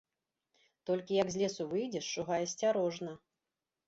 Толькі, як з лесу выйдзеш, шугай асцярожна.